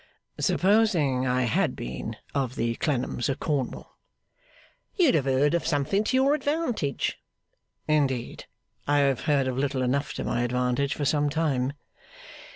'Supposing I had been of the Clennams of Cornwall?' 'You'd have heard of something to your advantage.' 'Indeed! I have heard of little enough to my advantage for some time.